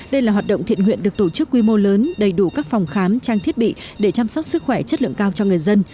đây là hoạt động thiện nguyện được tổ chức quy mô lớn đầy đủ các phòng khám trang thiết bị để chăm sóc sức khỏe chất lượng cao cho người dân